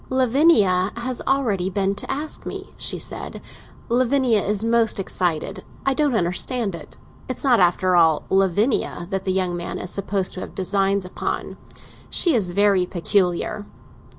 "Lavinia has already been to ask me," she said. "Lavinia is most excited; I don't understand it. It's not, after all, Lavinia that the young man is supposed to have designs upon. She is very peculiar."